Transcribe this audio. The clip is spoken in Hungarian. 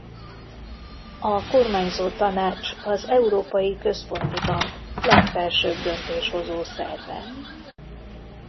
A Kormányzótanács az Európai Központi Bank legfelsőbb döntéshozó szerve.